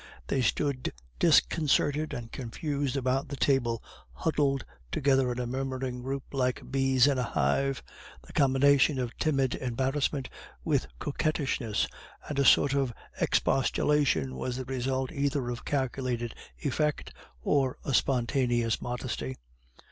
They stood disconcerted and confused about the table, huddled together in a murmuring group like bees in a hive. The combination of timid embarrassment with coquettishness and a sort of expostulation was the result either of calculated effect or a spontaneous modesty.